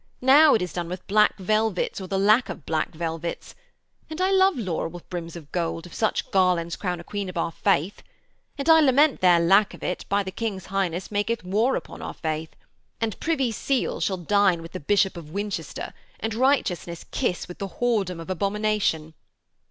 Now it is done with black velvets or the lack of black velvets. And I love laurel with brims of gold if such garlands crown a Queen of our faith. And I lament their lack if by it the King's Highness maketh war upon our faith. And Privy Seal shall dine with the Bishop of Winchester, and righteousness kiss with the whoredom of abomination.'